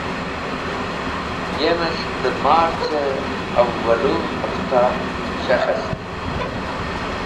Yemes̃h dẽ March-e awalũ hafta shekhest.